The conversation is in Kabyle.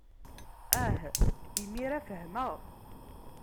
Ah, imir-a fehmeɣ.